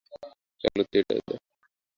চলো, থিয়েটার দেখাব।